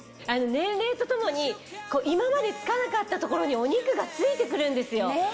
年齢とともに今まで付かなかった所にお肉が付いてくるんですよ。